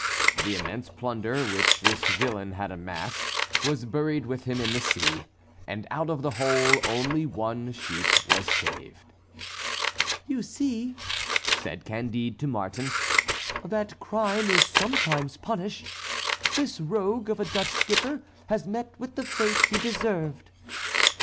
The immense plunder which this villain had amassed, was buried with him in the sea, and out of the whole only one sheep was saved. "You see," said Candide to Martin, "that crime is sometimes punished. This rogue of a Dutch skipper has met with the fate he deserved."